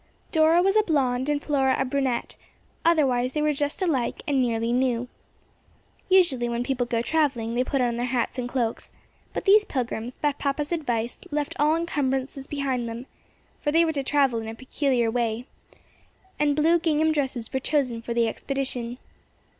Dora was a blonde and Flora a brunette, otherwise they were just alike and nearly new. Usually when people go travelling they put on their hats and cloaks, but these pilgrims, by papa's advice, left all encumbrances behind them, for they were to travel in a peculiar way, and blue gingham dresses were chosen for the expedition.